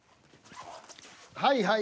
はいはい。